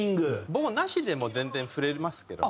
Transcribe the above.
棒なしでも全然振れますけどね。